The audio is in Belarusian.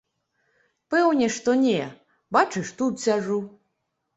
Пэўне, што не, бачыш, тут сяджу.